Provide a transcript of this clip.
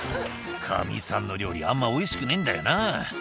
「カミさんの料理あんまおいしくねえんだよな」